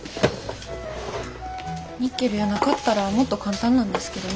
ニッケルやなかったらもっと簡単なんですけどね。